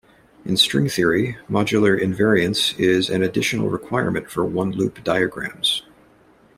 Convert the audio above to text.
In string theory, modular invariance is an additional requirement for one-loop diagrams.